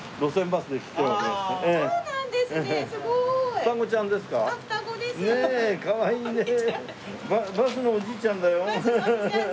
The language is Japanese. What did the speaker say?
バスのおじちゃんだよ。